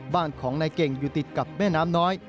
บ้านของนายเก่งอยู่ติดกับแม่น้ำน้อย